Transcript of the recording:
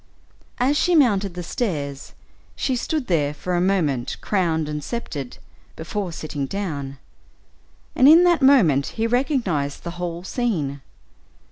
As she mounted the stairs, she stood there for a moment crowned and sceptred, before sitting down, and in that moment he recognized the whole scene.